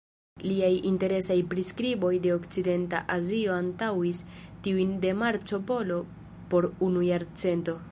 Liaj interesaj priskriboj de okcidenta Azio antaŭis tiujn de Marco Polo por unu jarcento.